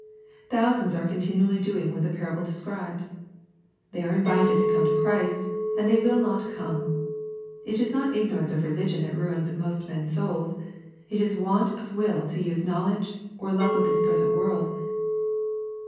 Thousands are continu ally doing what the parable describes. They are invited to come to Christ, and they will not come. — It is not ignorance of religion that ruins most men's souls. It is want of will to use knowledge, or love of this present world.